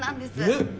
えっ！